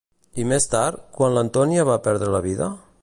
I més tard, quan l'Antonia va perdre la vida?